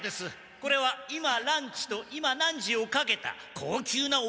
これは「今ランチ」と「今何時？」をかけた高級なおやじギャグです。